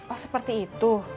oh seperti itu